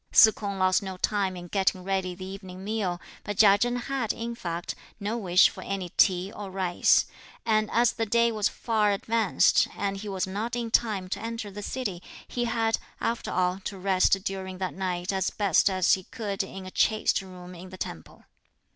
Se K'ung lost no time in getting ready the evening meal, but Chia Chen had, in fact, no wish for any tea or rice; and, as the day was far advanced and he was not in time to enter the city, he had, after all, to rest during that night as best he could in a "chaste" room in the temple.